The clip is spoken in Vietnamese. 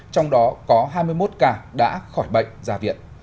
trong đó có hai mươi một ca đã khỏi bệnh ra viện